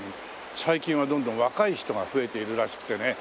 最近はどんどん若い人が増えているらしくてね。